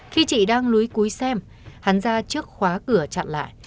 khi chị đang lúi cuối xem hắn ra trước khóa cửa chặn lại